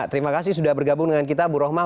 terima kasih sudah bergabung dengan kita bu rohmah